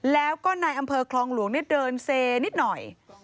แล้วก็ในอำเภอคลองหลวงเดินเซนิดหน่อย